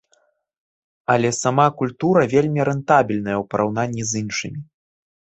Але сама культура вельмі рэнтабельная ў параўнанні з іншымі.